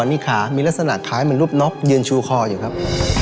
นี่ขามีลักษณะคล้ายเหมือนรูปน็อกยืนชูคออยู่ครับ